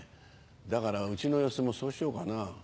だからうちの寄席もそうしようかな。